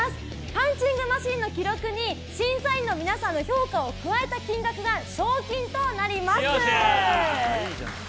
パンチングマシンの記録に審査員の皆さんの評価を加えた金額が賞金となります。